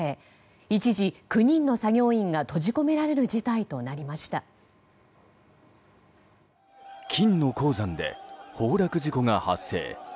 一時９人の作業員が閉じ込められる事態と金の鉱山で崩落事故が発生。